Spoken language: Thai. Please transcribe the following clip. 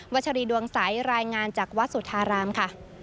วัชฎีดวงสายรายงานจากวัดสุทธารามค่ะ